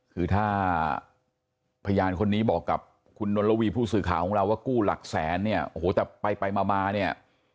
คือถ้าพยานคนนี้บอกกับคุณนลวีผู้สื่อข่าวของเราว่ากู้หลักแสนเนี่ยโอ้โหแต่ไปไปมามาเนี่ย